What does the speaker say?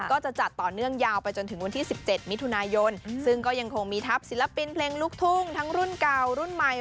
ก็จะจัดต่อเนื่องยาวไปจนถึงวันที่๑๗มิถุนายนซึ่งก็ยังคงมีทัพศิลปินเพลงลูกทุ่งทั้งรุ่นเก่ารุ่นใหม่